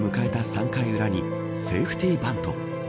３回裏にセーフティーバント。